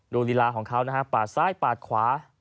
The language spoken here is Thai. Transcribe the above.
ลีลาของเขานะฮะปาดซ้ายปาดขวา